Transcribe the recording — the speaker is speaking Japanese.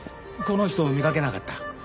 この人見かけなかった？